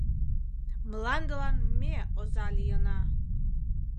Мландылан ме оза лийына!